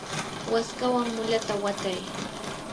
waskawan mulata watay.